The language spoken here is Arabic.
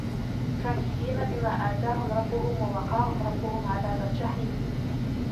فَاكِهِينَ بِمَا آتَاهُمْ رَبُّهُمْ وَوَقَاهُمْ رَبُّهُمْ عَذَابَ الْجَحِيمِ